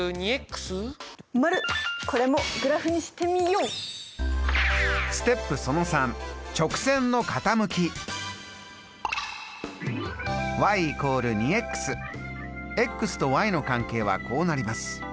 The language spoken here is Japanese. これもグラフにしてみよう！との関係はこうなります。